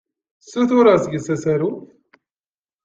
Ssutureɣ seg-k asaruf.